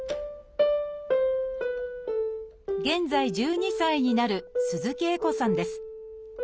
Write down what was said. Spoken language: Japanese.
現在１２歳になる鈴木絵心さんです。